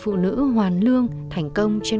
phụ nữ hoàn lương thành công trên